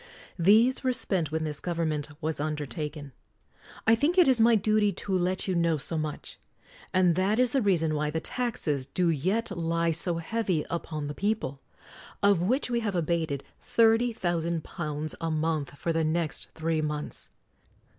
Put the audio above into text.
These were spent when this gov ernment was undertaken. I think it is my duty to let you know so much. And that is the rea son why the taxes do yet lie so heavy upon the people — of which we have abated £30,000 a month for the next three months.